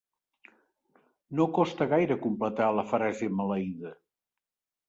No costa gaire completar la frase maleïda.